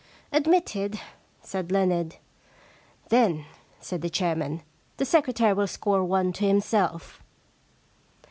Admitted,' said Leonard. * Then,' said the chairman, * the secretary will score one to himself.'